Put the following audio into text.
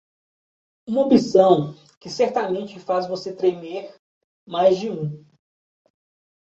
Uma opção que certamente faz você tremer mais de um.